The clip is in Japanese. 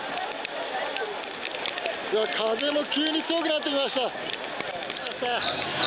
うわー、風も急に強くなってきました。